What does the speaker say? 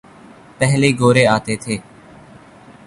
پہلے گورے آتے تھے۔